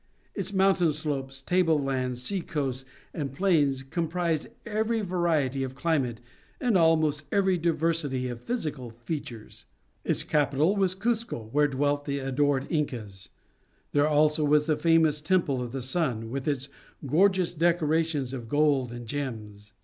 Its mountain slopes, table lands, sea coasts, and plains comprised every variety of climate and almost every diversity of physical features. Its capital was Cuzco, where dwelt the adored Incas; there also was the famous Temple of the Sun, with its gorgeous decorations of gold and gems.